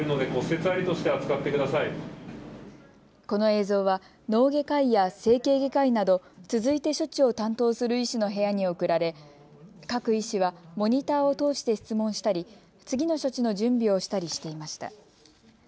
この映像は脳外科医や整形外科医など続いて処置を担当する医師の部屋に送られ各医師はモニターを通して質問したり、次の処置の準備をしたりしていました。